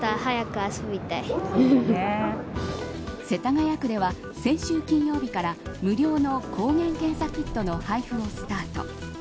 世田谷区では、先週金曜日から無料の抗原検査キットの配布をスタート。